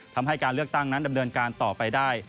ทำให้การเลือกตั้งนั้นดำเนินการต่อไปได้